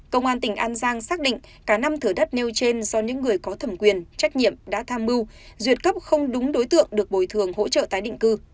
công an tỉnh an giang xác định cả năm thửa đất nêu trên do những người có thẩm quyền trách nhiệm đã tham mưu duyệt cấp không đúng đối tượng được bồi thường hỗ trợ tái định cư